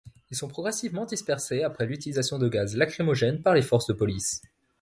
Ils sont progressivement dispersés après l'utilisation de gaz lacrymogène par les forces de police.